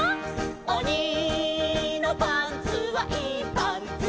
「おにのパンツはいいパンツ」